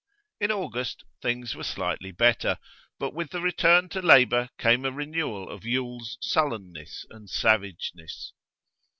In August things were slightly better; but with the return to labour came a renewal of Yule's sullenness and savageness.